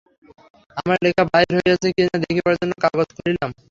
আমার লেখা বাহির হইয়াছে কি না দেখিবার জন্য কাগজ খুলিলাম।